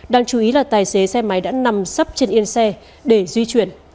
đáng chú ý là tài xế xe máy đã nằm sắp trên yên xe để di chuyển